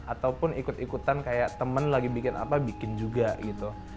ataupun ikut ikutan kayak temen lagi bikin apa bikin juga gitu